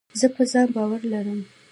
زه په ځان باور لرم.